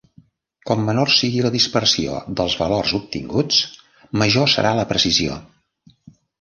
Com menor sigui la dispersió dels valors obtinguts, major serà la precisió.